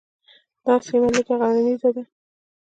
دا سیمه لږه غرنیزه ده.